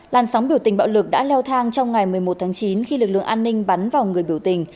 làn sóng biểu tình bạo lực đã leo thang trong ngày một mươi một tháng chín khi lực lượng an ninh bắn vào người biểu tình